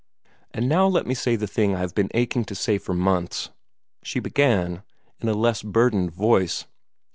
"And now let me say the thing I have been aching to say for months," she began in less burdened voice.